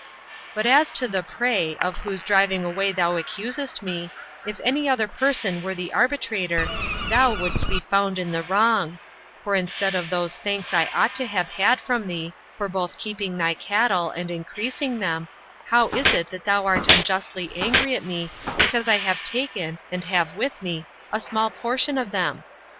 "But as to the prey, of whose driving away thou accusest me, if any other person were the arbitrator, thou wouldst be found in the wrong; for instead of those thanks I ought to have had from thee, for both keeping thy cattle, and increasing them, how is it that thou art unjustly angry at me because I have taken, and have with me, a small portion of them?